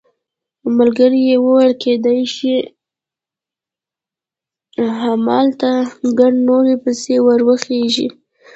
ملګري یې وویل کېدای شي همالته ګڼ نور پسې ور وخېژي.